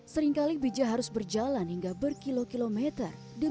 seringkali bija harus berjalan hingga berkira kira ke tempat yang terdekat